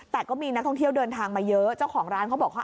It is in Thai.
แต่ก็มีนักท่องเที่ยวเดินทางมาเยอะเจ้าของร้านเขาบอกว่า